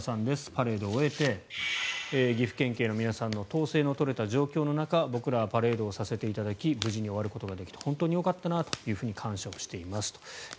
パレードを終えて岐阜県警の皆さんの統制の取れた状況の中僕らはパレードをさせていただき無事に終わることができて本当によかったなと感謝をしていますと。